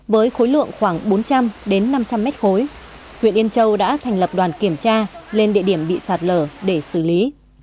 với khối lượng khoảng bốn trăm linh năm trăm linh mét khối huyện yên châu đã thành lập đoàn kiểm tra lên địa điểm bị sạt lở để xử lý